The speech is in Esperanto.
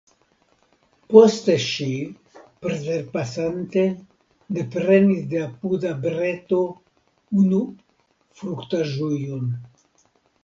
Poste ŝi, preterpasante, deprenis de apuda breto unu fruktaĵujon.